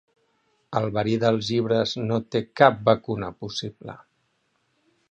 El verí dels llibres no té cap vacuna possible.